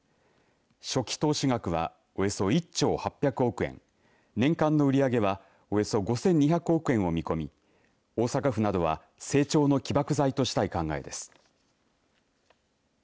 初期投資額はおよそ１兆８００億円年間の売り上げはおよそ５２００億円を見込み大阪府などは成長の起爆剤としたい考えです。